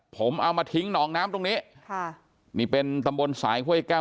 ผมเอามาทิ้งหนองน้ำตรงนี้ค่ะนี่เป็นตำบลสายห้วยแก้ว